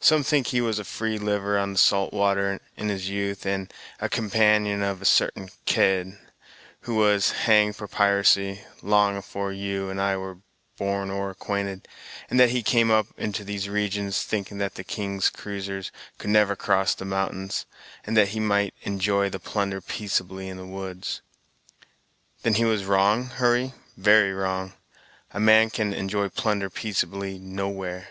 Some think he was a free liver on the salt water, in his youth, and a companion of a sartain Kidd, who was hanged for piracy, long afore you and I were born or acquainted, and that he came up into these regions, thinking that the king's cruisers could never cross the mountains, and that he might enjoy the plunder peaceably in the woods." "Then he was wrong, Hurry; very wrong. A man can enjoy plunder peaceably nowhere."